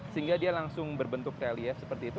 sehingga dia langsung berbentuk relief seperti itu